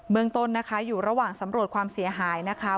เมืองต้นนะคะอยู่ระหว่างสำรวจความเสียหายนะคะ